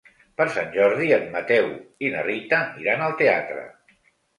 Per Sant Jordi en Mateu i na Rita iran al teatre.